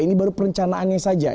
ini baru perencanaannya saja